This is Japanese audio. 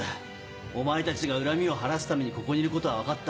お前たちが恨みを晴らすためにここにいることは分かった。